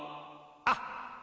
あっ！